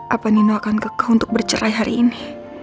apa nino akan kekeh untuk bercerai hari ini